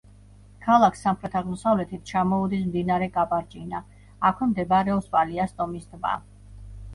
ქალაქს სამხრეთ-აღმოსავლეთით ჩამოუდის მდინარე კაპარჭინა, აქვე მდებარეობს პალიასტომის ტბა.